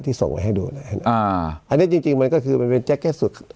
ส่งไว้ให้ดูเลยอ่าอันนี้จริงจริงมันก็คือมันเป็นแจ็คเก็ตสุด